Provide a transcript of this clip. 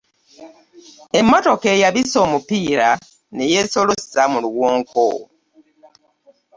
Emmotoka eyabise omupiira ne yeesolossa mu luwonko.